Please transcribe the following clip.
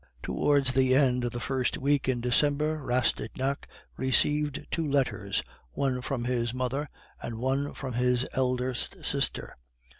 Towards the end of the first week in December Rastignac received two letters one from his mother, and one from his eldest sister.